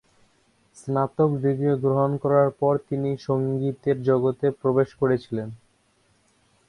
স্নাতক ডিগ্রী গ্রহণ করার পর তিনি সংগীতের জগতে প্রবেশ করেছিলেন।